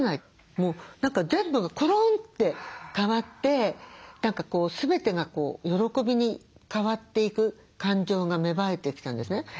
もう全部がコロンって変わって全てが喜びに変わっていく感情が芽生えてきたんですね。